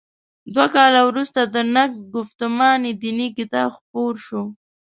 دوه کاله وروسته د «نقد ګفتمان دیني» کتاب خپور شو.